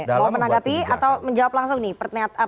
mau menanggapi atau menjawab langsung nih